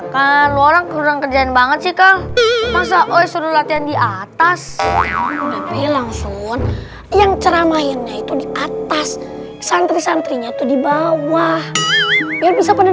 di atas yang cerah mainnya itu di atas santri santrinya itu di bawah bisa pada